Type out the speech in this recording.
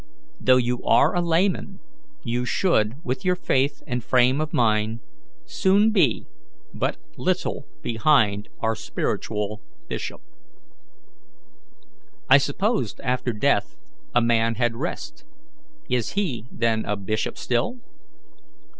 Though you are a layman, you should, with your faith and frame of mind, soon be but little behind our spiritual bishop." "I supposed after death a man had rest. Is he, then, a bishop still?"